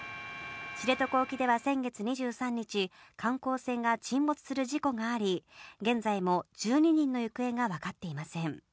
知床沖では先月２３日、観光船が沈没する事故があり、現在も１２人の行方が分かっていません。